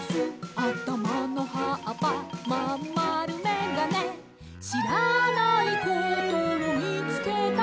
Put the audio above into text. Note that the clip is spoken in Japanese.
「あたまの葉っぱまんまるめがね」「知らないことをみつけたら」